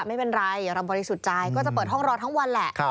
ไม่เป็นไรเราบริสุทธิ์ใจก็จะเปิดห้องรอทั้งวันแหละ